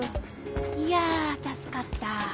いやたすかった。